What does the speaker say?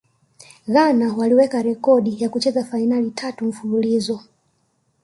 ghana waliweka rekodi ya kucheza fainali tatu mfululizo